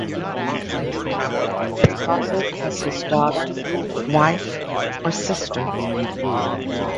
She was regarded as his daughter, wife, or sister.